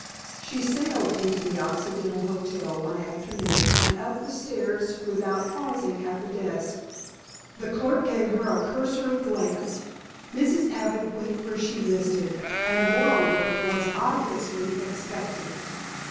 She sailed into the Occidental Hotel one afternoon and up the stairs without pausing at the desk. The clerk gave her a cursory glance. Mrs. Abbott went where she listed, and, moreover, was obviously expected.